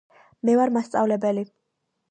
მე ვარ მასწავლებელი